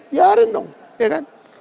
biarin dong ya kan